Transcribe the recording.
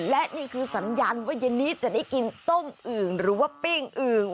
และนี่คือสัญญาณว่าเย็นนี้จะได้กินต้มอึ่งหรือว่าปิ้งอึ่ง